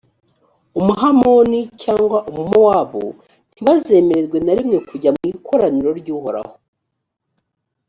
umuhamoni cyangwa umumowabu ntibazemererwe na rimwe kujya mu ikoraniro ry’uhoraho;